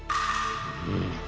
うん。